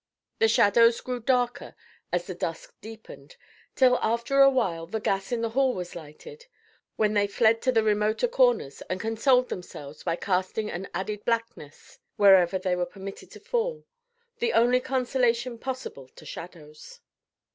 The shadows grew darker as the dusk deepened, till after a while the gas in the hall was lighted, when they fled to the remoter corners, and consoled themselves by casting an added blackness wherever they were permitted to fall, the only consolation possible to shadows.